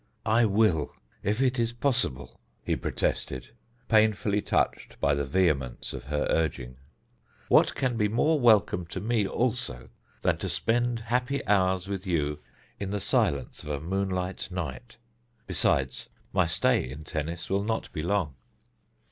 "I will, if it is possible," he protested, painfully touched by the vehemence of her urging. "What can be more welcome to me also than to spend happy hours with you in the silence of a moonlight night? Besides, my stay in Tennis will not be long."